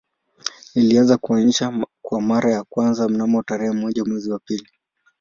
Ilianza kuonesha kwa mara ya kwanza mnamo tarehe moja mwezi wa pili